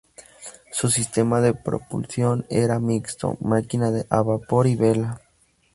Su sistema de propulsión era mixto, máquina a vapor y vela.